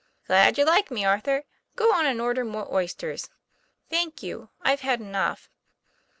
'Glad you like me, Arthur. Go on and order more oysters." 'Thank you, I've had enough."